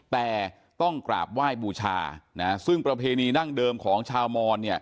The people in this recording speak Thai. แต่ต้องกราบไหว้บูชาซึ่งประเพณีดั้งเดิมของชาวมอน